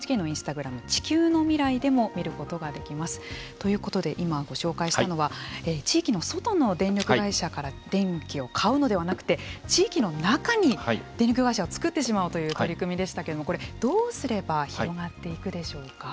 ということで今ご紹介したのは地域の外の電力会社から電気を買うのではなくて地域の中に電力会社を作ってしまおうという取り組みでしたけれどもこれどうすれば広がっていくでしょうか。